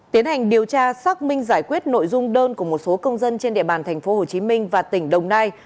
tiến hành điều tra xác minh giải quyết nội dung đơn của một số công dân trên địa bàn tp hcm và tỉnh đồng nai